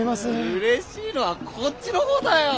うれしいのはこっちのほうだよ。